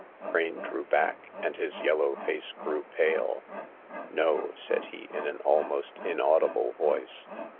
Crane drew back, and his yellow face grew pale. '* No," said he, in an almost inaudible voice.